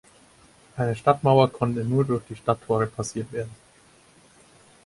Eine Stadtmauer konnte nur durch die Stadttore passiert werden.